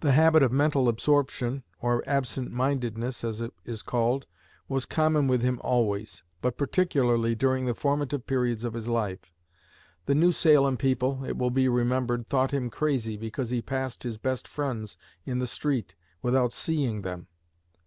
The habit of mental absorption, or 'absent mindedness' as it is called, was common with him always, but particularly during the formative periods of his life. The New Salem people, it will be remembered, thought him crazy because he passed his best friends in the street without seeing them.